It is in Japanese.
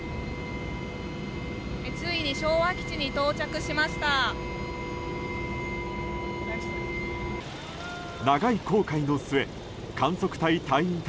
ついに昭和基地に到着しました。